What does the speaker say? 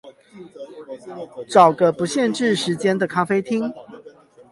找個不限制時間的咖啡廳